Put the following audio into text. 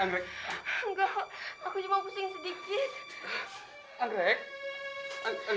masam masam aja aku kok